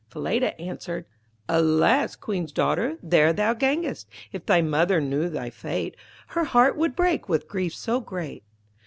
Falada answered: 'Alas! Queen's daughter, there thou gangest. If thy mother knew thy fate, Her heart would break with grief so great.'